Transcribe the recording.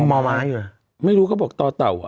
มอม้าอยู่ไม่รู้ก็บอกตอเต่า